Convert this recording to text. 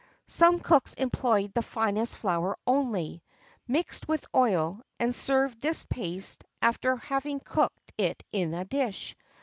[XXIV 5] Some cooks employed the finest flour only, mixed with oil, and served this paste after having cooked it in a dish.